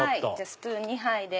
スプーン２杯で。